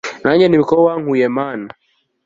nange nibuka aho wankuye mana